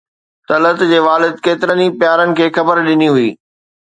طلعت جي والد ڪيترن ئي پيارن کي خبر ڏني هئي.